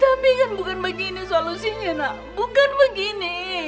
tapi kan bukan begini solusinya nak bukan begini